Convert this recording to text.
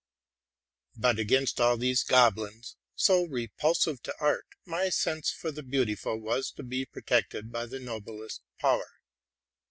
But against all these goblins, So repulsive to art, my feel ing for the beautiful was to be protected by the noblest power.